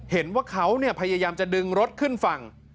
เห็นว่าเขาพยายามจะดึงรถขึ้นฝั่ง